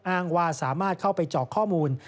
อ้างว่าสามารถเข้าไปเจาะข้อมูล